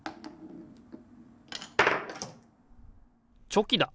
チョキだ！